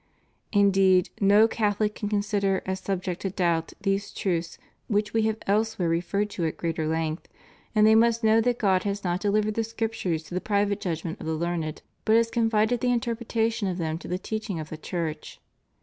Indeed, no Catholic can consider as subject to doubt these truths which We have elsewhere referred to at greater length, and they must know that God has not dehvered the Scriptures to the private judgment of the learned, but has confided the in terpretation of them to the teaching of the Church.